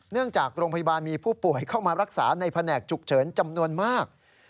จากโรงพยาบาลมีผู้ป่วยเข้ามารักษาในแผนกฉุกเฉินจำนวนมาก